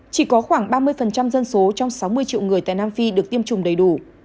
chỉ có khoảng ba mươi dân số trong sáu mươi triệu người tại nam phi được tiêm chủng đầy đủ